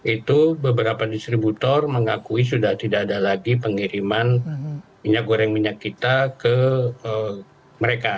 itu beberapa distributor mengakui sudah tidak ada lagi pengiriman minyak goreng minyak kita ke mereka